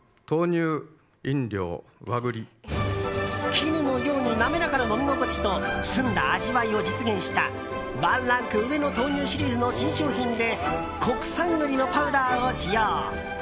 絹のように滑らかな飲み心地と澄んだ味わいを実現したワンランク上の豆乳シリーズの新商品で国産栗のパウダーを使用。